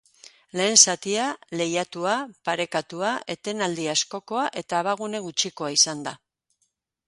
Lehen zatia lehiatua, parekatua, etenaldi askokoa eta abagune gutxikoa izan da.